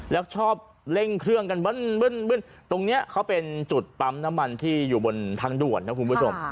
แล้วชอบเร่งเครื่องกันตรงนี้เขาเป็นจุดปั๊มน้ำมันที่อยู่บนทางด่วนนะคุณผู้ชม